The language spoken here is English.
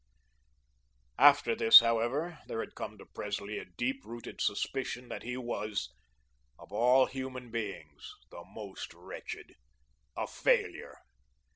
After this, however, there had come to Presley a deep rooted suspicion that he was of all human beings, the most wretched a failure.